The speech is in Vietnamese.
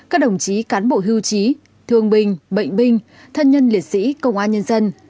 các đồng chí cán bộ hưu trí thương binh bệnh binh thân nhân liệt sĩ công an nhân dân